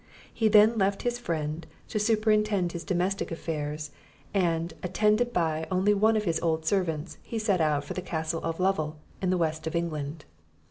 He then left his friend to superintend his domestic affairs; and, attended by only one of his old servants, he set out for the Castle of Lovel, in the west of England.